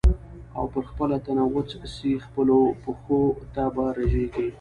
او پر خپله تنه وچ سې خپلو پښو ته به رژېږې